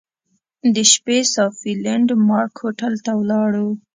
د شپې صافي لینډ مارک هوټل ته ولاړو.